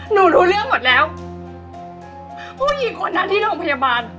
รู้เรื่องหมดแล้วผู้หญิงคนนั้นที่โรงพยาบาล